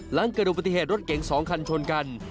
หลังเกิดอุบัติเหตุรถเก๋ง๒คันชนกัน